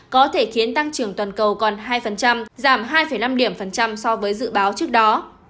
có thể khiến tăng trưởng toàn cầu còn hai giảm hai năm điểm phần trăm so với dự báo trước đó